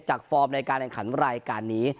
จากฟอร์มแรกขนวัลลายการนี้